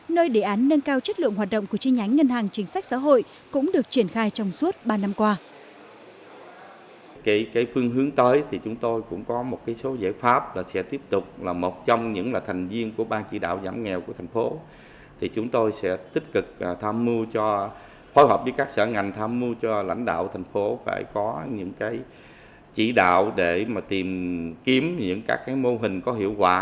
nơi đề án nâng cao chất lượng hoạt động của chi nhánh ngân hàng chính sách giáo hội cũng được triển khai trong suốt ba năm qua